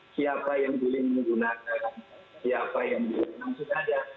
siapa yang boleh menggunakan siapa yang belum langsung ada